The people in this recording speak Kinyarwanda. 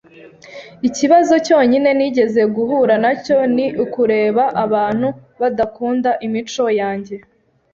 Ikibazo cyonyine nigeze guhura nacyo ni ukureba abantu badakunda imico yanjye.